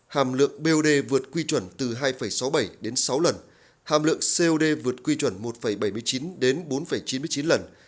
hàm lượng bot vượt quy chuẩn từ hai sáu mươi bảy đến sáu lần hàm lượng cod vượt quy chuẩn một bảy mươi chín đến bốn chín mươi chín lần